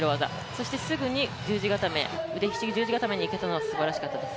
そしてすぐに腕ひしぎ十字固めにいけたのはすばらしかったです。